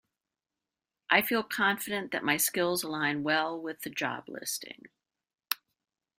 I feel confident that my skills align well with the job listing.